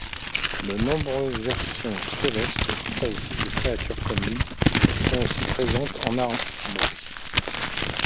De nombreuses versions célestes et chaotiques de créatures communes sont aussi présentes en Arborée.